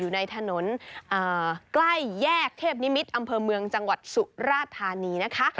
อยู่ในถนนใกล้แยกเทพนิมิตรอำเภอเมืองจังหวัดสุราธานีนะคะ